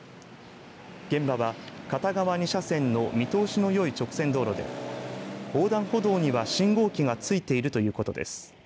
現場は、片側２車線の見通しのよい直線道路で横断歩道には信号機が付いているということです。